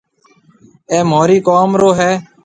اَي مهورِي قوم رو هيَ۔